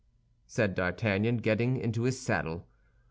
said D'Artagnan, getting into his saddle.